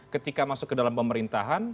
ketika masuk ke dalam pemerintahan